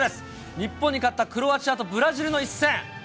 日本に勝ったクロアチアとブラジルの一戦。